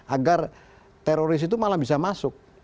agar teroris itu malah bisa masuk